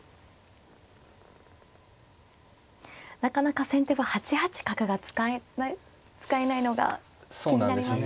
なかなか先手は８八角が使えないのが気になりますね。